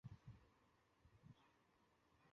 他也代表法国青年国家足球队参赛。